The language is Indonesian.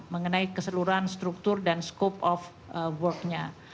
mengenai keseluruhan struktur dan scope of work nya